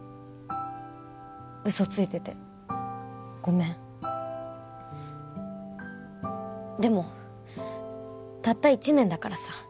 嘘ついててごめんでもたった１年だからさ